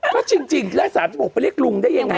ก็จริงแล้วสามคนจะบอกไปเรียกลุงได้อย่างไร